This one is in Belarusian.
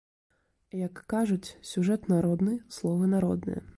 Як кажуць, сюжэт народны, словы народныя.